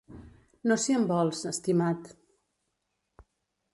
No si em vols, estimat.